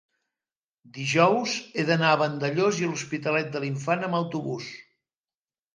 dijous he d'anar a Vandellòs i l'Hospitalet de l'Infant amb autobús.